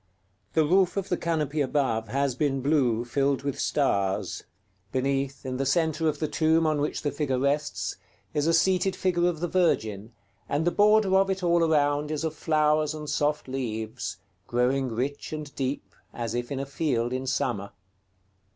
The roof of the canopy above has been blue, filled with stars; beneath, in the centre of the tomb on which the figure rests, is a seated figure of the Virgin, and the border of it all around is of flowers and soft leaves, growing rich and deep, as if in a field in summer.